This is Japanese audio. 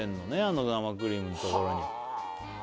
あの生クリームのところにはあ！